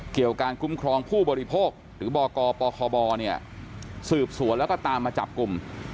เกี่ยวกับกุ้มครองผู้บริโภคหรือบกปคสื่อบสวนและตามมาจับกลุ่ม